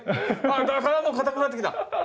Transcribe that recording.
あぁもう硬くなってきた。